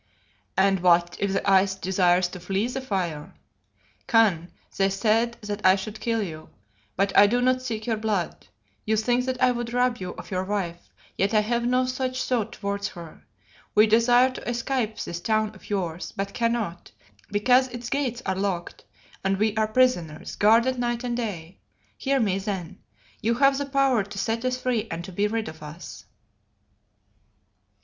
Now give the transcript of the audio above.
"And what if the ice desires to flee the fire? Khan, they said that I should kill you, but I do not seek your blood. You think that I would rob you of your wife, yet I have no such thought towards her. We desire to escape this town of yours, but cannot, because its gates are locked, and we are prisoners, guarded night and day. Hear me, then. You have the power to set us free and to be rid of us."